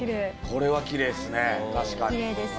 「これはきれいですね確かに」